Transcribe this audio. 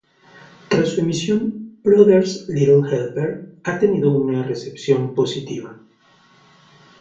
Tras su emisión, "Brother's Little Helper" ha tenido una recepción positiva.